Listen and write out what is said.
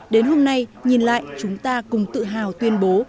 đến hôm nay nhìn lại chúng ta cùng tự hào tuyên bố